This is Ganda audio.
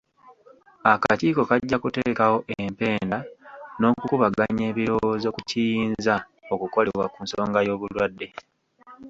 Akakiiko kajja kuteekawo empenda n'okukubaganya ebirowoozo ku kiyinza okukolebwa ku nsonga y'obulwadde.